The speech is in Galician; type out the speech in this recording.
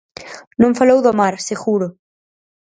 Non falou do mar, seguro.